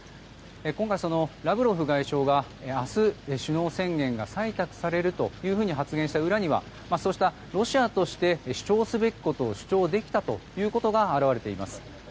今回、ラブロフ外相が明日、首脳宣言が採択されると発言した裏にはロシアとして主張すべきことを主張できたということが表れています。